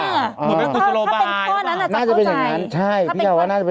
ถ้าเป็นข้อนั้นอาจจะเข้าใจน่าจะเป็นอย่างนั้นใช่